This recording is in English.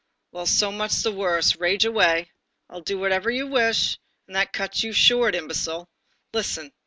Well, so much the worse, rage away. I'll do whatever you wish, and that cuts you short, imbecile! Listen.